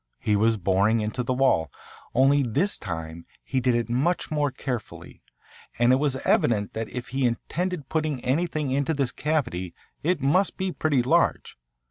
He was boring into the wall, only this time he did it much more carefully, and it was evident that if he intended putting anything into this cavity it must be pretty large.